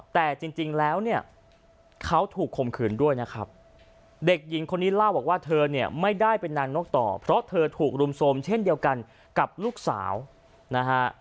แต่จริงแล้วเนี่ยเขาถูกข่มขืนด้วยนะครับเด็กหญิงคนนี้เล่าบอกว่าเธอเนี่ยไม่ได้เป็นนางนกต่อเพราะเธอถูกรุมโทรมเช่นเดียวกันกับลูกสาวนะฮะ